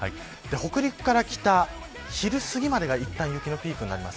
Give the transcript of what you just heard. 北陸から北、昼すぎまではいったん雪のピークになります。